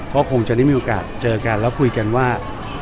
ก็คงจะได้มีโอกาสเจอกันแล้วคุยกันว่า